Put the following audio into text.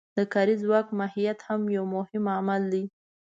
د کاري ځواک ماهیت هم یو مهم عامل دی